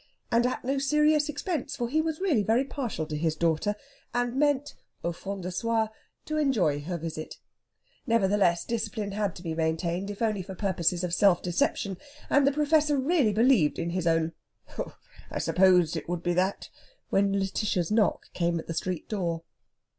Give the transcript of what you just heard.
And at no serious expense, for he was really very partial to his daughter, and meant, au fond de soi, to enjoy her visit. Nevertheless, discipline had to be maintained, if only for purposes of self deception, and the Professor really believed in his own "Humph! I supposed it would be that," when Lætitia's knock came at the street door.